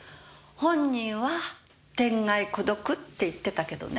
本人は「天涯孤独」って言ってたけどね。